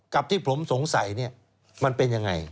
กับที่ผมสงสัยเนี่ยมันเป็นยังไง